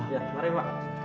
ya mari pak